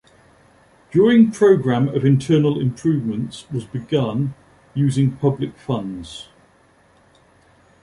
During program of internal improvements was begun using public funds.